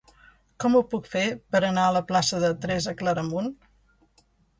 Com ho puc fer per anar a la plaça de Teresa Claramunt?